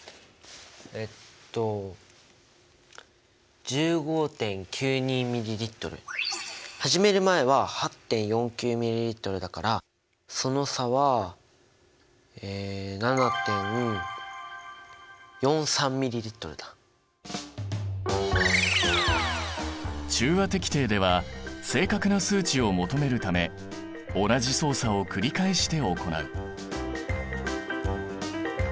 えっと始める前は８．４９ｍＬだからその差は中和滴定では正確な数値を求めるため同じ操作を繰り返して行う。